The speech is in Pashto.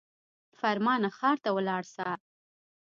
فرمانه ښار ته ولاړ سه.